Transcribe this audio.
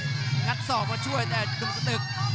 งัดสอบมาช่วยแต่ทุนสตึก